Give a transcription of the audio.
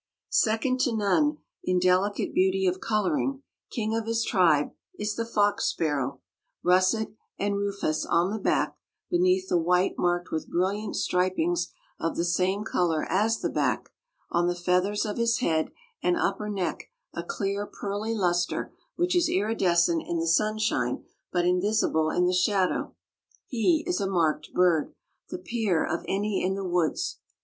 Second to none in delicate beauty of coloring, king of his tribe, is the fox sparrow. Russet and rufous on the back, beneath the white marked with brilliant stripings of the same color as the back, on the feathers of his head and upper neck a clear pearly luster which is iridescent in the sunshine but invisible in the shadow, he is a marked bird, the peer of any in the woods.